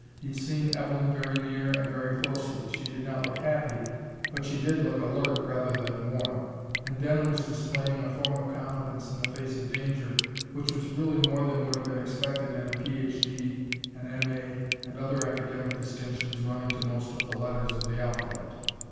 He'd seen Evelyn very near and very closely. She did not look happy, but she did look alert rather than worn. And Denham was displaying a form of competence in the face of danger which was really more than would have been expected in a Ph.D., a M.A., and other academic distinctions running to most of the letters of the alphabet.